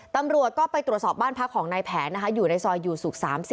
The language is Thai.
ตำรวจก็ไปตรวจสอบบ้านพักของนายแผนนะคะอยู่ในซอยอยู่สุข๓๐